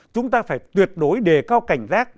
chúng ta phải tuyệt đối đề cao cảnh giác